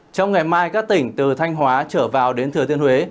trong ngày mai các tỉnh từ thanh hóa trở vào đến thừa thiên huế